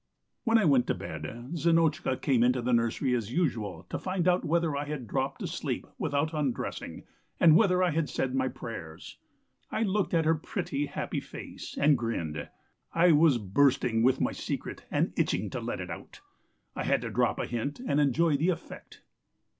"When I went to bed, Zinotchka came into the nursery as usual to find out whether I had dropped asleep without undressing and whether I had said my prayers. I looked at her pretty, happy face and grinned. I was bursting with my secret and itching to let it out. I had to drop a hint and enjoy the effect.